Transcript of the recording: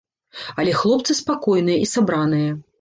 Але хлопцы спакойныя і сабраныя.